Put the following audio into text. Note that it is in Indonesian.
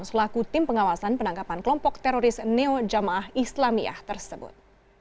selaku tim pengawasan penangkapan kelompok teroris neo jamaah islamiyah tersebut